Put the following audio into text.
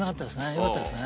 よかったですね。